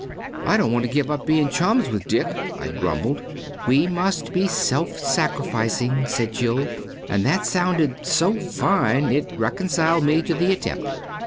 "I don't want to give up being chums with Dick," I grumbled. "We must be self sacrificing," said Jill. And that sounded so fine it reconciled me to the attempt.